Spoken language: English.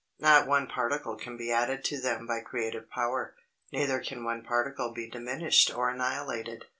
Not one particle can be added to them by creative power. Neither can one particle be diminished or annihilated.